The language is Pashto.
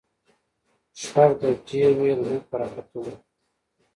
شپږ بجې وې، لمر په راختو و.